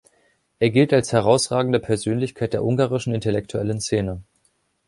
Er gilt als herausragende Persönlichkeit der ungarischen intellektuellen Szene.